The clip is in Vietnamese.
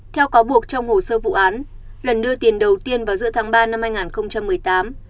theo cáo buộc trong hồ sơ vụ án lần đưa tiền đầu tiên vào giữa tháng ba năm hai nghìn một mươi tám